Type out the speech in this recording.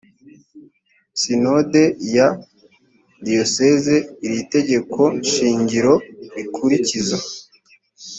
sinode ya diyoseze iri tegekoshingiro rikurikiza